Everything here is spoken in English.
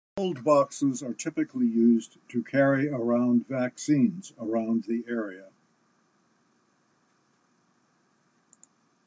Cold boxes are typically used to carry around vaccines around the area.